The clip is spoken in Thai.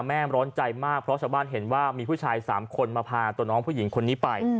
ร้อนใจมากเพราะชาวบ้านเห็นว่ามีผู้ชาย๓คนมาพาตัวน้องผู้หญิงคนนี้ไป